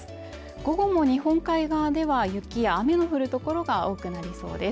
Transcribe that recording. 午後も日本海側では雪や雨の降るところが多くなりそうです。